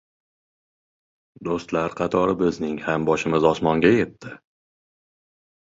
Do‘stlar qatori bizning ham boshimiz osmonga yetdi.